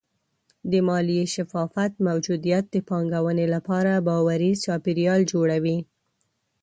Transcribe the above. د مالي شفافیت موجودیت د پانګونې لپاره باوري چاپېریال جوړوي.